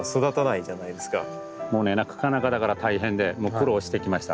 もうねなかなかだから大変で苦労してきました